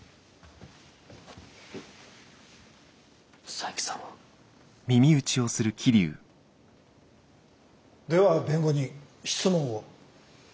佐伯さんは？では弁護人質問を。